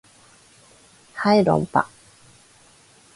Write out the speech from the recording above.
はい論破